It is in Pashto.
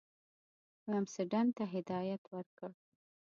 لمسډن ته هدایت ورکړ.